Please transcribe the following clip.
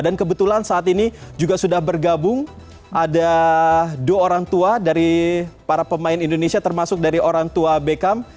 dan kebetulan saat ini juga sudah bergabung ada dua orang tua dari para pemain indonesia termasuk dari orang tua beckham